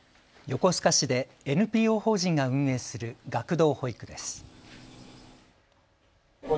横須賀市でＮＰＯ法人が運営する学童保育です。